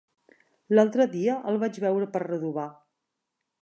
L'altre dia el vaig veure per Redovà.